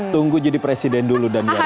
tunggu jadi presiden dulu dan jadi